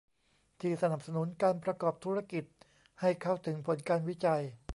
ที่สนับสนุนการประกอบธุรกิจให้เข้าถึงผลการวิจัย